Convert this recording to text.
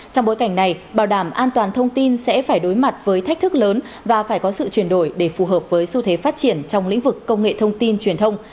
trong bối cảnh này bảo đảm an toàn thông tin sẽ phải đối mặt với thách thức lớn và phải có sự chuyển đổi để phù hợp với xu thế phát triển trong lĩnh vực công nghệ thông tin truyền thông